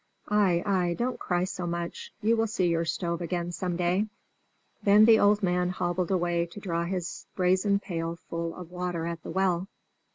Ay, ay, don't cry so much; you will see your stove again some day." Then the old man hobbled away to draw his brazen pail full of water at the well.